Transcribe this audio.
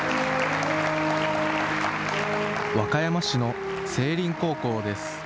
和歌山市の星林高校です。